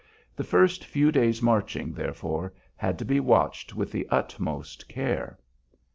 The first few days' marching, therefore, had to be watched with the utmost care.